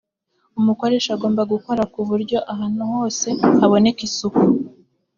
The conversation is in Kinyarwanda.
umukoresha agomba gukora ku buryo ahantuhose haboneka isuku.